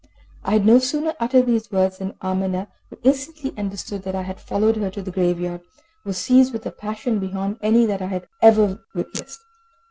I had no sooner uttered these words than Amina, who instantly understood that I had followed her to the grave yard, was seized with a passion beyond any that I have ever witnessed.